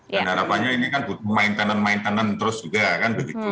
dan harapannya ini kan maintanen maintenen terus juga kan begitu